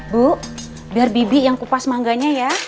bu biar bibi yang kupas mangganya ya